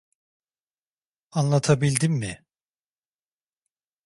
Anlatabildim mi?